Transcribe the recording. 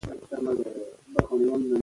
ناروغان له وخته درمل اخلي.